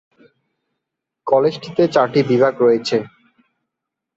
কলেজটিতে চারটি বিভাগ রয়েছে।